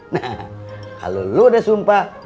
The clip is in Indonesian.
nah kalau lo udah sumpah